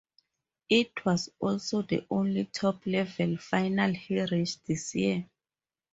It was also the only top-level final he reached this year.